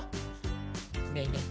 ねえねえ